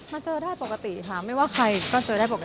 เจอได้ปกติค่ะไม่ว่าใครก็เจอได้ปกติ